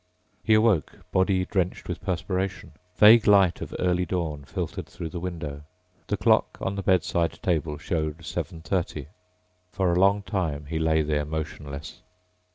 He awoke, body drenched with perspiration. Vague light of early dawn filtered through the window. The clock on the bedside table showed 7:30. For a long time he lay there motionless.